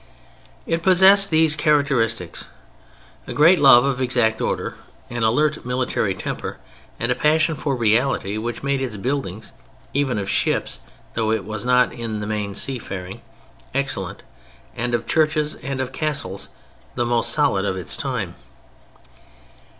It possessed these characteristics—a great love of exact order, an alert military temper and a passion for reality which made its building even of ships (though it was not in the main seafaring) excellent, and of churches and of castles the most solid of its time.